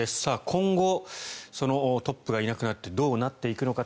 今後、そのトップがいなくなってどうなっていくのか。